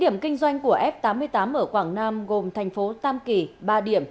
điểm kinh doanh của f tám mươi tám ở quảng nam gồm thành phố tam kỳ ba điểm